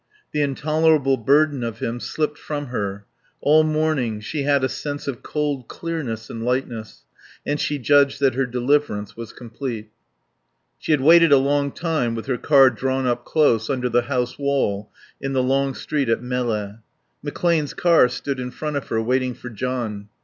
The intolerable burden of him slipped from her; all morning she had a sense of cold clearness and lightness; and she judged that her deliverance was complete. She had waited a long time with her car drawn up close under the house wall in the long street at Melle. McClane's car stood in front of her, waiting for John.